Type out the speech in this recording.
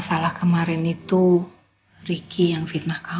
saya juga mau bikin sarapan buatasma